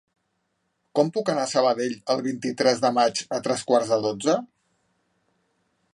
Com puc anar a Sabadell el vint-i-tres de maig a tres quarts de dotze?